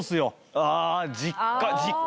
あ実家。